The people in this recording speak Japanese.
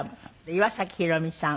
岩崎宏美さん